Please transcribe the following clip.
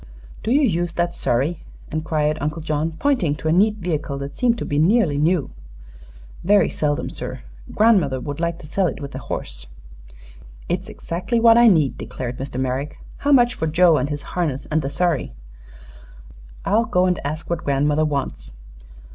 "Do you use that surrey?" inquired Uncle John, pointing to a neat vehicle that seemed to be nearly new. "Very seldom, sir. Grandmother would like to sell it with the horse." "It's exactly what I need," declared Mr. Merrick. "How much for Joe and his harness, and the surrey?" "I'll go and ask what grandmother wants."